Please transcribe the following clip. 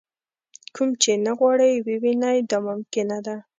کوم چې نه غواړئ ووینئ دا ممکنه ده.